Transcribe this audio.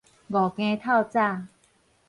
五更透早